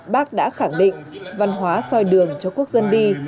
bác đã khẳng định văn hóa soi đường cho quốc dân đi